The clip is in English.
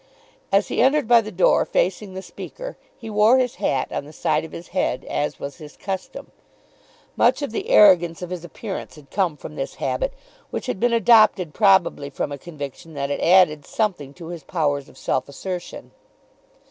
As he entered by the door facing the Speaker, he wore his hat on one side of his head, as was his custom. Much of the arrogance of his appearance had come from this habit, which had been adopted probably from a conviction that it added something to his powers of self assertion.